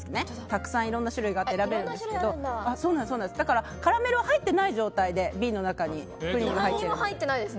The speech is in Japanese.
たくさんいろんな種類があって選べるんですけどだからカラメルが入ってない状態で瓶の中にプリンが入ってるんです。